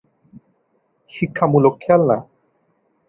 শিক্ষামূলক খেলনা